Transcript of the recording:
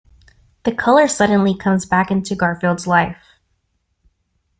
The color suddenly comes back into Garfield's life.